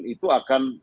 itu akan jauh lebih